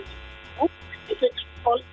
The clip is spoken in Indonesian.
itu itu itu